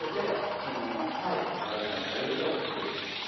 気温を温めてあげると出てきます。